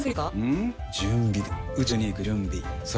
うん！